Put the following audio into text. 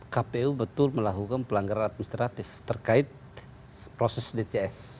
kpu betul melakukan pelanggaran administratif terkait proses dcs